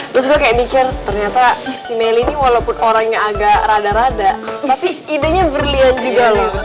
terus gue kayak mikir ternyata si melly ini walaupun orangnya agak rada rada tapi idenya berlian juga loh